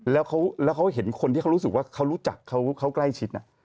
แล้วเขาเห็นคนที่เขารู้สึกว่าเขารู้จักเขาใกล้ชิด